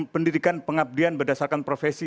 pendidikan pengabdian berdasarkan profesi